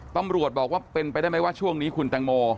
ตำรวจบอกว่าเป็นไปได้ไหมว่าช่วงนี้คุณแตงโม